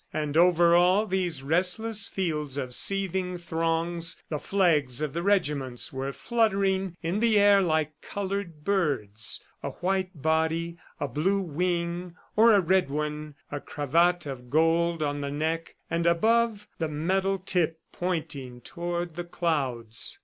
And over all these restless fields of seething throngs, the flags of the regiments were fluttering in the air like colored birds; a white body, a blue wing, or a red one, a cravat of gold on the neck, and above, the metal tip pointing toward the clouds.